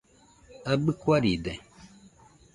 ¿Abɨ kuaride.?